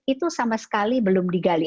itu sama sekali belum digali